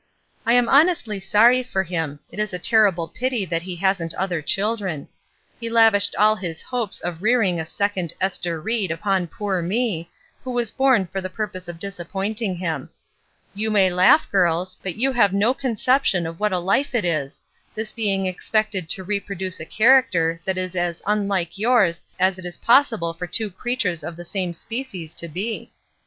"I am honestly sorry for him; it is a terrible pity that he hasn't other children. He lav ished all his hopes of rearing a second 'Ester Ried' upon poor me, who was born for the pur pose of disappointing him. You may laugh, girls, but you have no conception of what a life it is — this being expected to reproduce a character that is as vinlike yours as it is pos sible for two creatures of the same species to be.